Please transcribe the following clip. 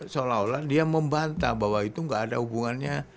seolah olah dia membantah bahwa itu nggak ada hubungannya